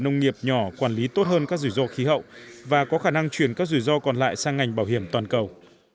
nông nghiệp nhỏ quản lý tốt hơn các dự do khí hậu và có khả năng chuyển các dự do còn lại sang ngành bảo hiểm toàn cầu